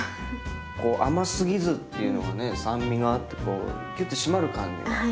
こう甘すぎずっていうのがね酸味があってキュッと締まる感じが。